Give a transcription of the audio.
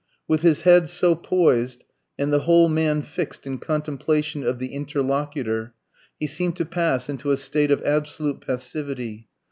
With his head so poised and the whole man fixed in contemplation of the interlocutor he seemed to pass into a state of absolute passivity